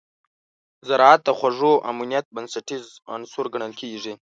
زراعت د خوړو امنیت بنسټیز عنصر ګڼل کېږي.